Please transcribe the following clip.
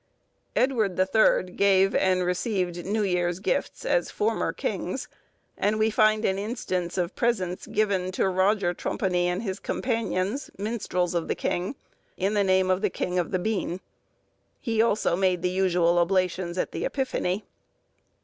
Edward the Third gave and received New Year's Gifts, as former kings; and we find an instance of presents given to Roger Trumpony and his companions, minstrels of the king, in the name of the king of the bean. He also made the usual oblations at the Epiphany.